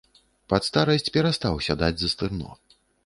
Пад старасць перастаў сядаць за стырно.